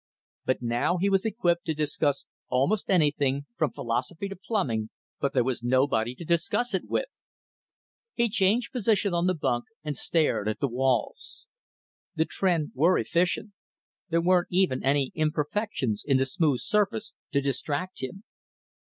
But now he was equipped to discuss almost anything from philosophy to plumbing, but there was nobody to discuss it with. He changed position on the bunk and stared at the walls. The Tr'en were efficient; there weren't even any imperfections in the smooth surface to distract him.